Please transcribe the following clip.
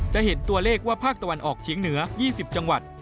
จะเห็นตัวเลขว่าภาคตะวันออกเฉียงเหนือ๒๐จังหวัด